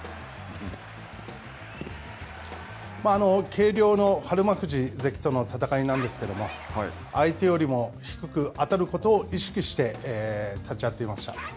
軽量の日馬富士関との戦いなんですけれども、相手よりも低く当たることを意識して立ち合っていました。